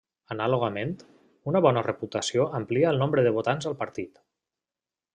Anàlogament, una bona reputació amplia el nombre de votants al partit.